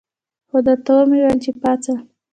خو درته ومې ویل چې پاڅه.